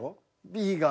Ｂが。